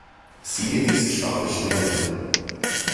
Sieh dir diese scharfe Schnitte an!